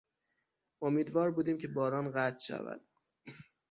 امیدوار بودیم که باران قطع شود.